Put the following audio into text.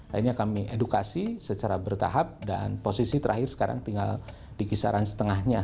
akhirnya kami edukasi secara bertahap dan posisi terakhir sekarang tinggal di kisaran setengahnya